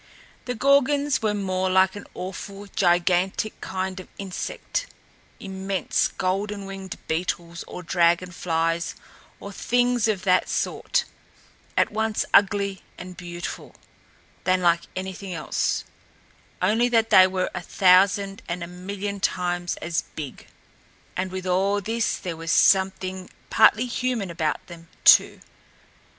The Gorgons were more like an awful, gigantic kind of insect immense, golden winged beetles or dragonflies or things of that sort at once ugly and beautiful than like anything else; only that they were a thousand and a million times as big. And with all this there was something partly human about them, too.